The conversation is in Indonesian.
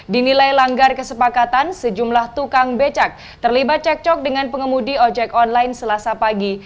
dinilai langgar kesepakatan sejumlah tukang becak terlibat cekcok dengan pengemudi ojek online selasa pagi